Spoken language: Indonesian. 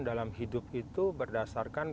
dalam hidup itu berdasarkan